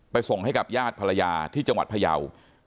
ส่งให้กับญาติภรรยาที่จังหวัดพยาว